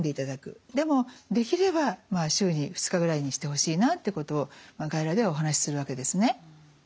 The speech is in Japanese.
でもできれば週に２日ぐらいにしてほしいなってことを外来ではお話しするわけですね。